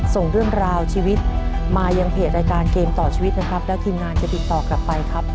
ส่งเรื่องราวชีวิตมายังเพจรายการเกมต่อชีวิตนะครับแล้วทีมงานจะติดต่อกลับไปครับ